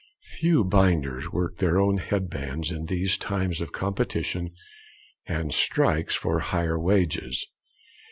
Few binders work their own head bands in these times of competition and strikes for higher wages.